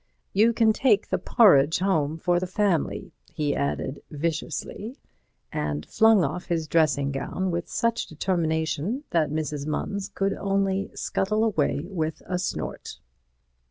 "You can take the porridge home for the family," he added, viciously, and flung off his dressing gown with such determination that Mrs. Munns could only scuttle away with a snort.